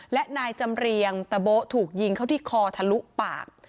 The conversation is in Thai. และนายจำเรียงตะโบ๊ถูกยิงเข้าที่คอทะลุปาก